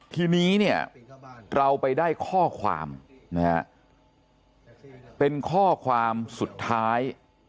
ทีนี้เนี่ยเราไปได้ข้อความนะฮะเป็นข้อความสุดท้าย